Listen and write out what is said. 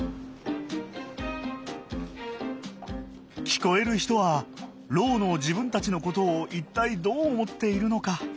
聞こえる人はろうの自分たちのことを一体どう思っているのか。